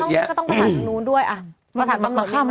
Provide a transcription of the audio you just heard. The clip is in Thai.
ก็ต้องประสานตรงนู้นด้วยอ่ะประสานตรงนู้นดีมาก